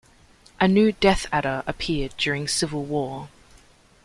A new Death Adder appeared during Civil War.